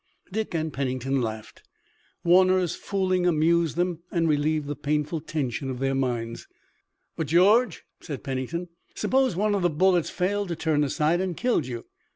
Dick and Pennington laughed. Warner's fooling amused them and relieved the painful tension of their minds. "But, George," said Pennington, "suppose one of the bullets failed to turn aside and killed you.